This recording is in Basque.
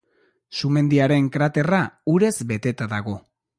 Sumendiaren kraterra urez beteta dago.